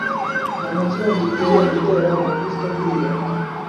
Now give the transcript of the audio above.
nta na kimwe gikwiriye gutera Umukristo kwiheba